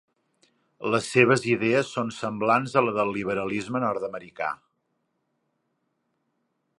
Les seves idees són semblants a les del liberalisme nord-americà.